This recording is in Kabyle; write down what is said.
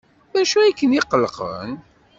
D acu ay ken-iqellqen?